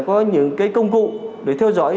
có những công cụ để theo dõi